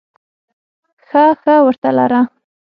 ښه ښه ورته لره !